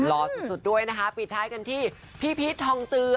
รอสุดด้วยนะคะปิดท้ายกันที่พี่พีชทองเจือ